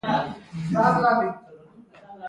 د تخمونو اصلاح شوې بڼې شته؟